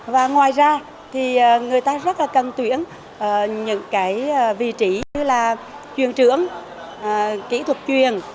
và ngoài ra thì người ta rất là cần tuyển những cái vị trí như là truyền trưởng kỹ thuật truyền